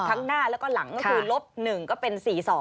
หน้าแล้วก็หลังก็คือลบ๑ก็เป็น๔๒